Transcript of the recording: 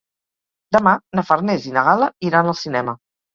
Demà na Farners i na Gal·la iran al cinema.